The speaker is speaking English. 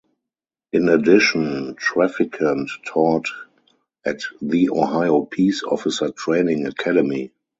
In addition, Traficant taught at the Ohio Peace Officer Training Academy.